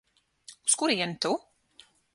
Uz kurieni tu?